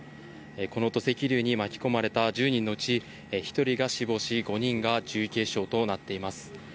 この土石流に巻き込まれた１０人のうち１人が死亡し、５人が重軽傷となっています。